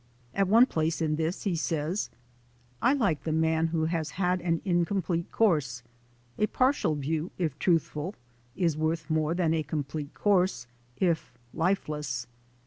At one place in this he says: "I like the man who has had an incomplete course. A partial view, if truthful, is worth more than a complete course, if lifeless.